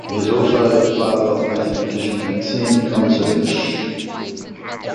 He is also the father of mathematician Maxim Kontsevich.